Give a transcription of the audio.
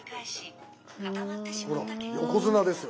ほら横綱ですよ。